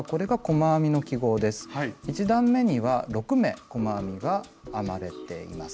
１段めには６目細編みが編まれています。